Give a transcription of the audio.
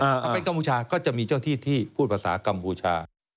ถ้าเป็นกัมพูชาก็จะมีเจ้าที่ที่พูดภาษากัมพูชา